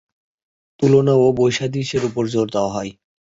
তুলনা ও বৈসাদৃশ্যের ওপর জোর দেওয়া হয়।